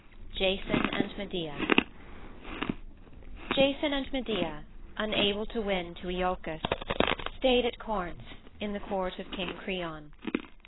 JASON AND MEDEA Jason and Medea, unable to win to Iolcus, staved at Corinth, at the court of King Creon.